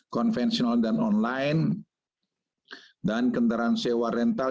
konvensional dan online dan kendaraan sewa rental